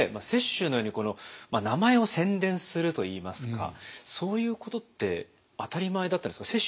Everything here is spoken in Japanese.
雪舟のように名前を宣伝するといいますかそういうことって当たり前だったんですか？